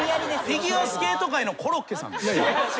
フィギュアスケート界のコロッケさんです。